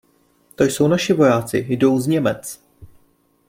To jsou naši vojáci, jdou z Němec.